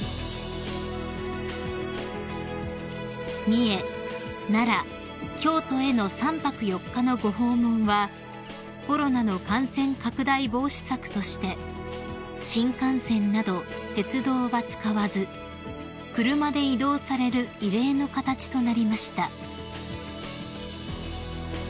［三重奈良京都への３泊４日のご訪問はコロナの感染拡大防止策として新幹線など鉄道は使わず車で移動される異例の形となりました］